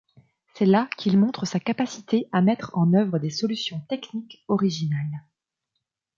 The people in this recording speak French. C'est là qu'il montre sa capacité à mettre en œuvre des solutions techniques originales.